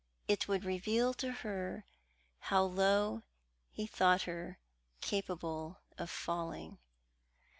It would reveal to her how low he thought her capable of falling.